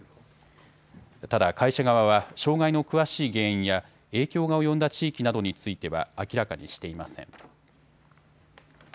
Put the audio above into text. ただ会社側は障害の詳しい原因や影響が及んだ地域などについては明らかにしていません。